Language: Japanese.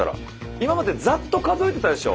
今までザッと数えてたでしょ？